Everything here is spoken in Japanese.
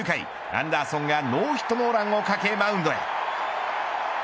アンダーソンがノーヒットノーランを懸けマウンドへ。